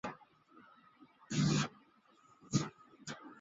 圣让德韦尔日人口变化图示